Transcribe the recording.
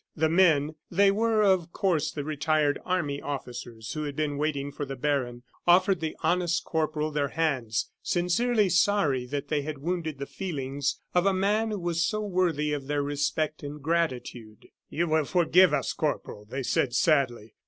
The men they were, of course, the retired army officers who had been waiting for the baron offered the honest corporal their hands, sincerely sorry that they had wounded the feelings of a man who was so worthy of their respect and gratitude. "You will forgive us, Corporal," they said, sadly.